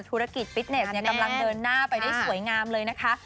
ธุรกิจฟิตเนสกำลังเดินหน้าไปได้สวยงามเลยนะคะ